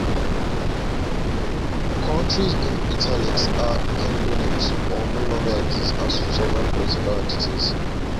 Countries in "italics" are endonyms or no longer exist as sovereign political entities.